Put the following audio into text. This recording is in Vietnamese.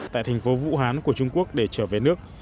tại thành phố vũ hán của trung quốc để trở về nước